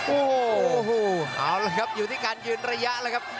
โอ้โหเอาละครับอยู่ที่การยืนระยะแล้วครับ